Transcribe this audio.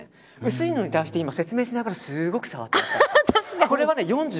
薄いのに対して説明しながらすごく触ってた。